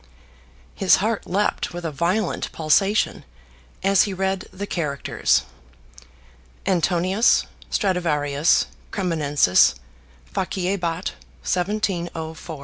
His heart leapt with a violent pulsation as he read the characters, "Antonius Stradiuarius Cremonensis faciebat, 1704."